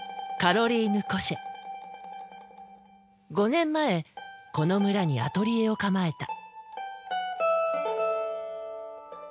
５年前この村にアトリエを構えた。